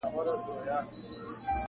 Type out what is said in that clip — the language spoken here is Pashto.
• د ا یوازي وه په کټ کي نیمه شپه وه -